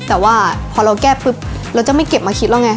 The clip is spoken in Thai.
แต่ว่าพอเราแก้ปุ๊บเราจะไม่เก็บมาคิดแล้วไง